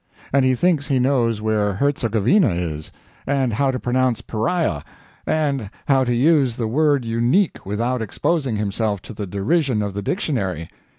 And he thinks he knows where Hertzegovina is; and how to pronounce pariah; and how to use the word unique without exposing himself to the derision of the dictionary.